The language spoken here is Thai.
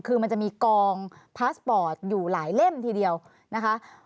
คือมันจะมีกองพาสปอร์ตอยู่หลายเล่มทีเดียวนะคะ